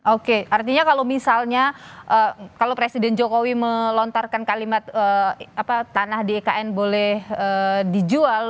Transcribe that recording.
oke artinya kalau misalnya kalau presiden jokowi melontarkan kalimat tanah di ikn boleh dijual